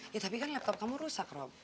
ya tapi kan laptop kamu rusak rob